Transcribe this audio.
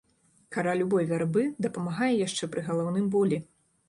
Кара любой вярбы дапамагае яшчэ пры галаўным болі.